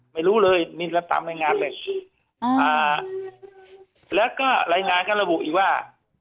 ไม่รู้เลยมีตามรายงานเลยแล้วก็รายงานก็ระบุอีกว่า